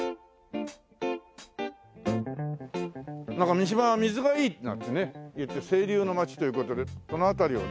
三島は水がいいなんてねいって清流の街という事でこの辺りをね